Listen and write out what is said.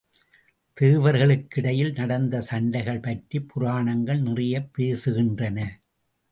தேவர்களுக்கிடையில் நடந்த சண்டைகள் பற்றிப் புராணங்கள் நிறைய பேசுகின்றன.